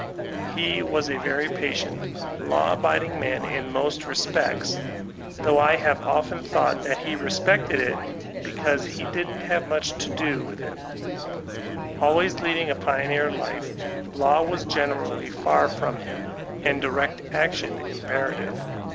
He was a vei^ 2aB VOLTAIUNE DB ClEYUE patient, law abiding man, in nx>8t respects, tfamigh I have often thought he probably respected it because be didn't have much to do with it; always leading a pioneer life, law was generally far from him, and direct action imperative.